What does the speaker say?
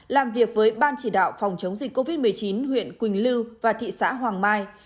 làm việc với ban chỉ đạo phòng chống dịch covid một mươi chín huyện quỳnh lưu và thị xã hoàng mai